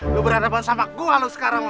lo berantaban sama gue lo sekarang